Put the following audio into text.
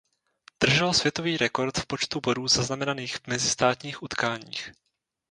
Držel světový rekord v počtu bodů zaznamenaných v mezistátních utkáních.